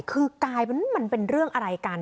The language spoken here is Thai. คือกลายเป็นมันเป็นเรื่องอะไรกัน